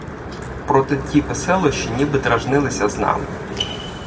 Проте ті веселощі ніби дражнилися з нами.